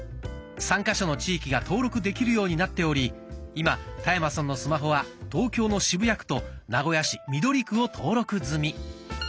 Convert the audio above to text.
３か所の地域が登録できるようになっており今田山さんのスマホは東京の渋谷区と名古屋市緑区を登録済み。